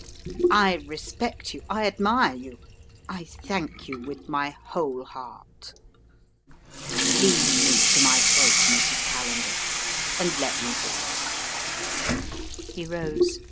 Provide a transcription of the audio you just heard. I respect you; I admire you; I thank you with my whole heart. Leave me to my fate, Mrs. Callender and let me go." He rose.